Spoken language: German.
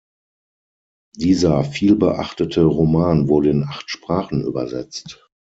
Dieser vielbeachtete Roman wurde in acht Sprachen übersetzt.